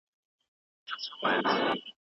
دا وطن د ګیلهمنشهید بیرغ دی